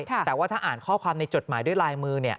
แต่ว่าถ้าอ่านข้อความในจดหมายด้วยลายมือ